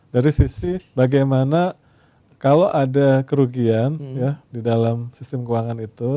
dari sisi bagaimana kalau ada kerugian di dalam sistem keuangan itu